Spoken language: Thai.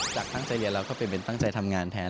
จากตั้งใจเรียนเราก็เป็นตั้งใจทำงานแทน